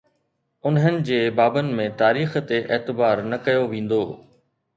انهن جي بابن ۾ تاريخ تي اعتبار نه ڪيو ويندو.